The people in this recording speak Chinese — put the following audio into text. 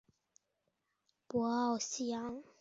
博奥西扬。